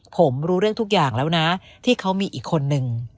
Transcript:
ผมรู้เรื่องทุกอย่างแล้วนะที่เขามีอีกคนนึง